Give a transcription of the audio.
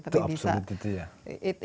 itu absolute duty ya